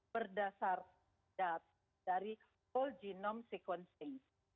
berdasarkan data dari whole genome sequencing